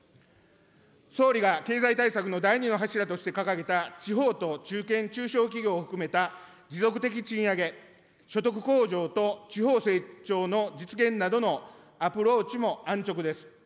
政府が経済対策の第２の柱として掲げた地方と中堅中小企業を含めた持続的賃上げ、所得向上と地方成長の実現などのアプローチも安直です。